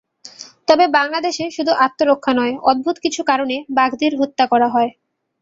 তবে বাংলাদেশে শুধু আত্মরক্ষা নয়, অদ্ভুত কিছু কারণে বাঘদের হত্যা করা হয়।